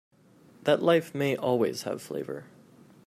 That life may always have flavor.